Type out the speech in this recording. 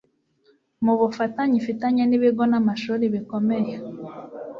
mu bufatanye ifitanye n'ibigo n'amashuri bikomeye